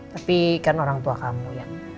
tapi kan orang tua kamu